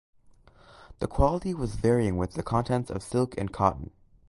The quality was varying with the contents of silk and cotton.